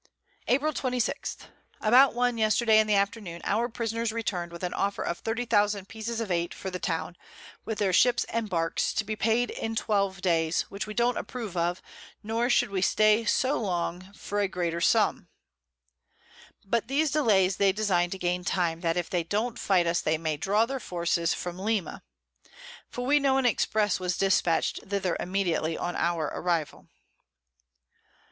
[Sidenote: At Guiaquil.] April 26. About one Yesterday in the Afternoon our Prisoners return'd with an Offer of 30000 Pieces of Eight for the Town, with their Ships and Barks, to be paid in 12 Days, which we don't approve of, nor should we stay so long for a greater Sum. By these Delays they design to gain Time, that if they don't fight us, they may draw their Forces from Lima; for we know an Express was dispatch'd thither immediately on our Arrival.